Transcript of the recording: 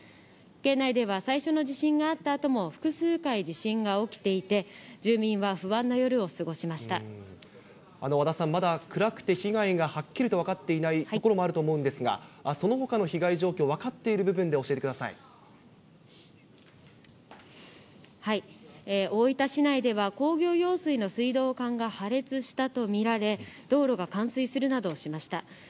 県内では最初の地震があったあとも、複数回地震が起きていて、和田さん、まだ暗くて被害がはっきりと分かっていないところもあると思うんですが、そのほかの被害状況、分かっている部分で教えてくださ大分市内では、工業用水の水道管が破裂したと見られ、道路が冠水するなどしました。